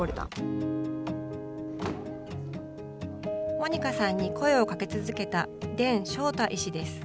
モニカさんに声をかけ続けた田翔太医師です。